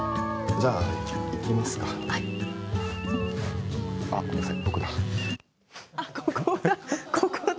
じゃあ、行きますか。